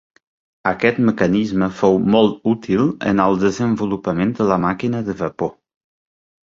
Aquest mecanisme fou molt útil en el desenvolupament de la màquina de vapor.